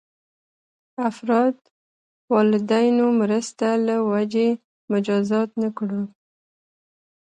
افراد والدینو مرسته له وجې مجازات نه کړو.